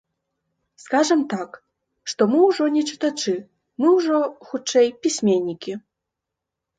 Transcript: Скажам так, што мы ўжо не чытачы, мы ўжо, хутчэй, пісьменнікі.